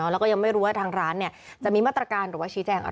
แล้วก็ยังไม่รู้ว่าทางร้านจะมีมาตรการหรือว่าชี้แจงอะไร